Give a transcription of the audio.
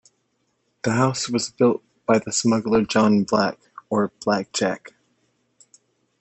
The house was built by the smuggler John Black or Black Jack.